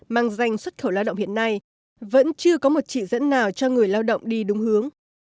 mang danh xuất khẩu lao động hiện nay vẫn chưa có một chỉ dẫn nào cho người lao động đi đúng hướng